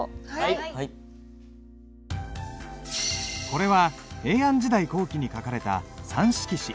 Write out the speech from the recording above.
これは平安時代後期に書かれた三色紙。